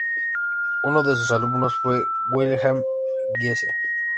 Uno de sus alumnos fue Wilhelm Giese.